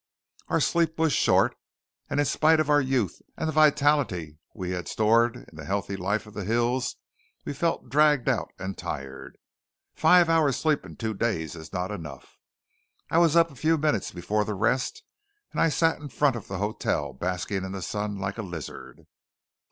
Our sleep was short; and in spite of our youth and the vitality we had stored in the healthy life of the hills we felt dragged out and tired. Five hours' sleep in two days is not enough. I was up a few minutes before the rest; and I sat in front of the hotel basking in the sun like a lizard.